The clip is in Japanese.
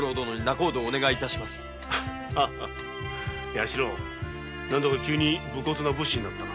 弥四郎何だか急に武骨な武士になったな。